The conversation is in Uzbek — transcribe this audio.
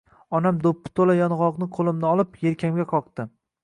Onam do‘ppi to‘la yong‘oqni qo‘limdan olib, yelkamga qoqdi.